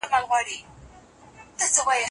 د مالدارۍ وده د کرنې په پرمختګ پورې تړلې ده.